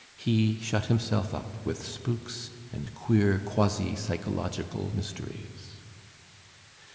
He shut himself up with spooks and queer quasi psychological mysteries.